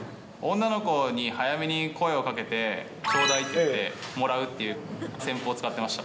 女の子に早めに声をかけて、頂戴って言って、もらうっていう戦法を使ってました。